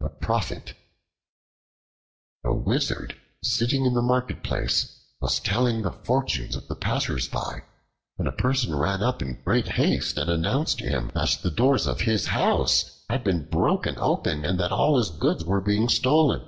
The Prophet A WIZARD, sitting in the marketplace, was telling the fortunes of the passers by when a person ran up in great haste, and announced to him that the doors of his house had been broken open and that all his goods were being stolen.